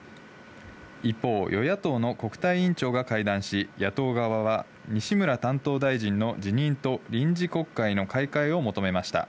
一方、与野党の国対委員長が会談し、野党側は西村担当大臣の辞任と臨時国会の開会を求めました。